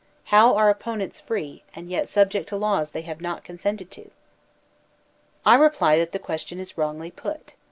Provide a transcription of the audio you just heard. How are opponents free and yet subject to laws they have not consented to ? I reply that the question is wrongly put.